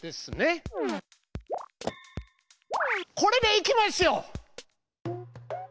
これでいきますよ。